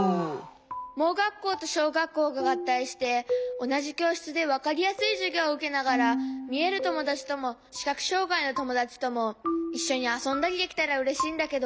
盲学校としょうがっこうががったいしておなじきょうしつでわかりやすいじゅぎょうをうけながらみえるともだちともしかくしょうがいのともだちともいっしょにあそんだりできたらうれしいんだけど。